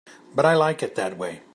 But I like it that way.